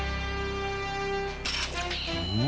うん？